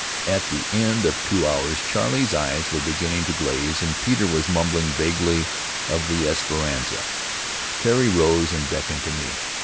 At the end of two hours Charley's eyes were beginning to glaze, and Peter was mumbling vaguely of the Esperanza. Tari rose and beckoned to me.